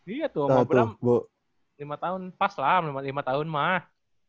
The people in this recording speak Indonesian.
iya tuh ngobrol lima tahun pas lah lima tahun mah